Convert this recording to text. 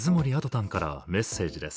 タンからメッセージです。